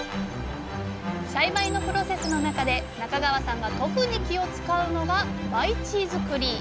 栽培のプロセスの中で中川さんが特に気を遣うのが培地づくり。